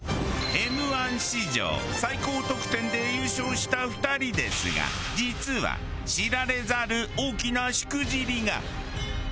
Ｍ−１史上最高得点で優勝した２人ですが実は知られざる大きなしくじりが。